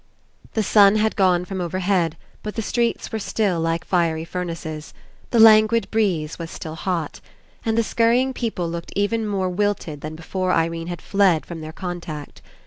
The sun had gone from overhead, but the streets were still like fiery furnaces. The languid breeze was still hot. And the scurry ing people looked even more wilted than be fore Irene had fled from their contact.